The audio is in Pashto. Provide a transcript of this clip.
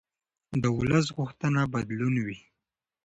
د ولس غوښتنه بدلون وي